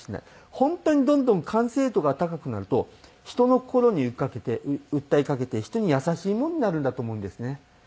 本当にどんどん完成度が高くなると人の心に訴えかけて人に優しいものになるんだと思うんですね。